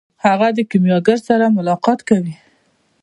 هغه د کیمیاګر سره ملاقات کوي.